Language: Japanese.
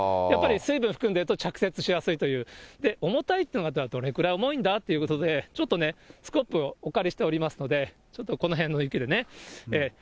やっぱり水分含んでると着雪しやすいという、重たいってどのくらい重いんだということで、ちょっとね、スコップをお借りしておりますので、ちょっとこのへんの雪でね。